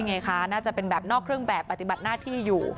ไงคะน่าจะเป็นแบบนอกเครื่องแบบปฏิบัติหน้าที่อยู่